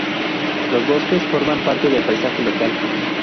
Los bosques forman parte del paisaje local.